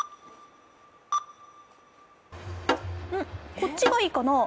こっちがいいかな？